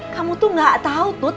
kamu tuh gak tau tut